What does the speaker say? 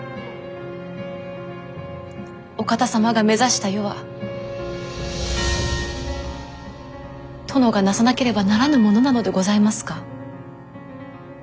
お方様が目指した世は殿がなさなければならぬものなのでございますか？